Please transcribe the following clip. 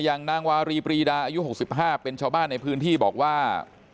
นางวารีปรีดาอายุ๖๕เป็นชาวบ้านในพื้นที่บอกว่า